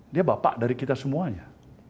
dia bapak dari kita semuanya